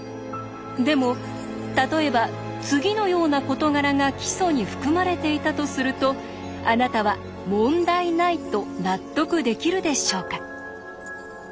でも例えば次のような事柄が基礎に含まれていたとするとあなたは問題ないと納得できるでしょうか？